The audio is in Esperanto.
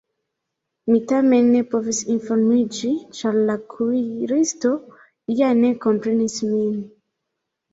Mi tamen ne povis informiĝi, ĉar la kuiristo ja ne komprenis min.